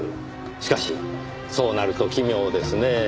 しかしそうなると奇妙ですねぇ。